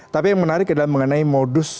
tapi yang menarik adalah mengenai modus